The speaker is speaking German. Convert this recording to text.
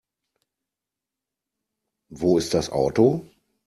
Wo ist das Auto?